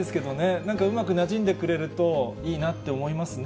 なんかうまくなじんでくれるといいなって思いますね。